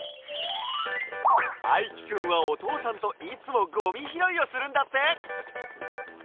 あいきくんはおとうさんといつもゴミひろいをするんだって。